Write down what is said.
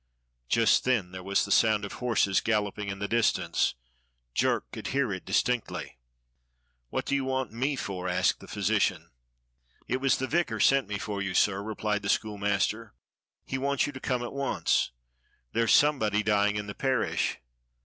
Just then there was the sound of horses galloping in the distance, Jerk could hear it distinctly. "What do you want me for?" asked the physician. "It was the vicar sent me for you, sir," replied the END OF SENNACHERIB PEPPER 67 schoolmaster. "He wants you to come at once; there 's somebody dying in the parish."